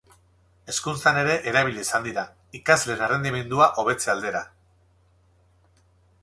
Hezkuntzan ere erabili izan dira, ikasleen errendimendua hobetze aldera.